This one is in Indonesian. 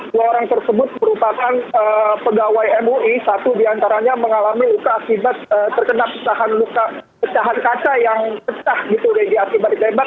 dua orang tersebut merupakan pegawai mui satu diantaranya mengalami luka akibat terkena pecahan luka pecahan kaca yang pecah gitu regi akibat ditembak